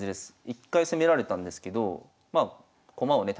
一回攻められたんですけど駒をね